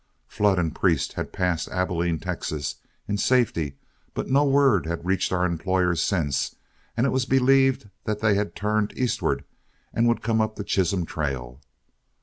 Flood and Priest had passed Abilene, Texas, in safety, but no word had reached our employer since, and it was believed that they had turned eastward and would come up the Chisholm Trail.